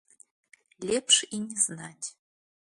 Лепш і не знаць.